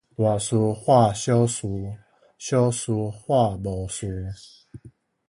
大事化小事，小事化無事